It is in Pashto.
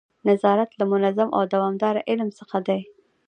نظارت له منظم او دوامداره علم څخه دی.